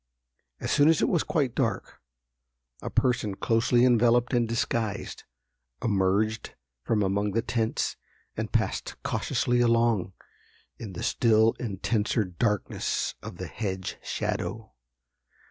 As soon as it was quite dark, a person closely enveloped and disguised, emerged from among the tents, and passed cautiously along in the still intenser darkness of the hedge shadow.